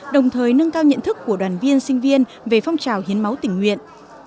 đồng thời nâng cao nhận thức của đoàn viên sinh viên về phong trào hiến máu tình nguyện